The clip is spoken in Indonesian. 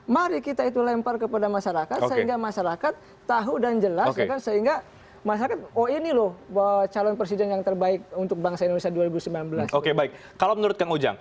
mari kita itu lempar kepada masyarakat